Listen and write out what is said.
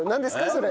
それ。